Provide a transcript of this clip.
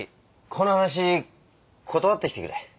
この話断ってきてくれ。